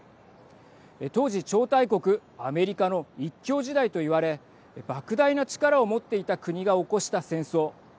当時、超大国アメリカの一強時代と言わればく大な力を持っていた国が起こした戦争。